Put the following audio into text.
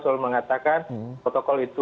selalu mengatakan protokol itu